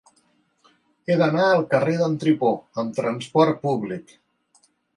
He d'anar al carrer d'en Tripó amb trasport públic.